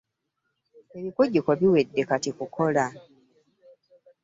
Ebikujjuko biwedde kati kukola.